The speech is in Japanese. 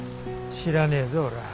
知らねえぞ俺は。